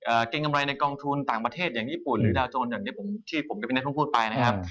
เกรงกำไรในกองทุนต่างประเทศอย่างญี่ปุ่นหรือดาวโจรอย่างที่ผมที่ผมกับพี่นัทต้องพูดไปนะครับ